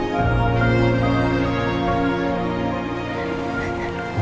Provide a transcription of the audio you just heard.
terima kasih sarah